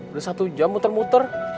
udah satu jam muter muter